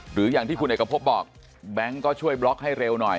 หรืออย่างที่คุณเอกพบบอกแบงค์ก็ช่วยบล็อกให้เร็วหน่อย